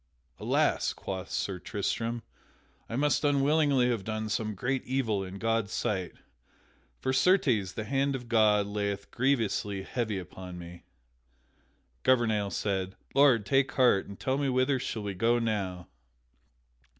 "Alas!" quoth Sir Tristram, "I must unwittingly have done some great evil in God's sight, for certes the hand of God lieth grievously heavy upon me." Gouvernail said: "Lord, take heart, and tell me whither shall we go now?"